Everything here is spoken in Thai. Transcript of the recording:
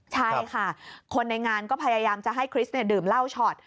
ใช่ค่ะคนในงานก็พยายามจะให้คริสดื่มเหล้าช็อต